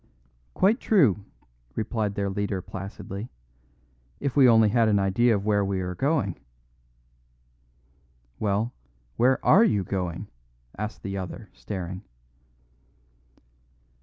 "Quite true," replied their leader placidly, "if we only had an idea of where we were going." "Well, where are you going?" asked the other, staring.